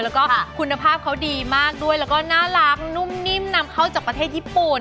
แล้วก็คุณภาพเขาดีมากด้วยแล้วก็น่ารักนุ่มนิ่มนำเข้าจากประเทศญี่ปุ่น